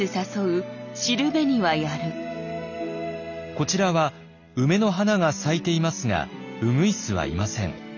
こちらは梅の花が咲いていますが鶯はいません。